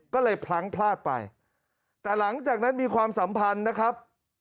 ก็เลยพลั้งพลาดไปแต่หลังจากนั้นมีความสัมพันธ์นะครับ